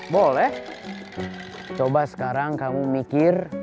bagaimana cara kamu membeli harga yang lebih murah di tempat lain